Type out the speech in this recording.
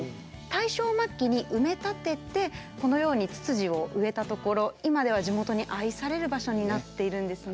大正末期に埋め立ててこのようにつつじを植えたところ今では地元に愛される場所になっているんですね。